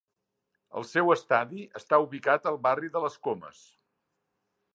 El seu estadi està ubicat al barri de Les Comes.